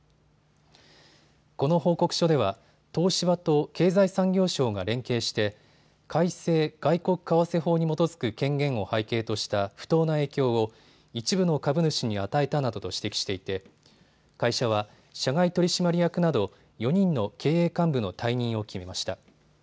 この報告書では東芝と経済産業省が連携して改正外国為替法に基づく権限を背景とした不当な影響を一部の株主に与えたなどと指摘していて会社は社外取締役など４人の経営幹部の退任を決めました。